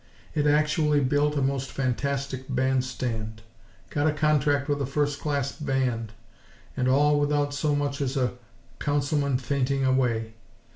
It actually built a most fantastic band stand; got a contract with a first class band, and all without so much as a Councilman fainting away!!